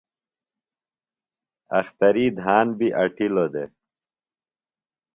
اختری دھان بیۡ اٹِلوۡ دےۡ۔